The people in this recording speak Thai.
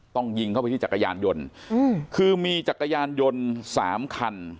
ยิงเข้าไปที่จักรยานยนต์คือมีจักรยานยนต์สามคัน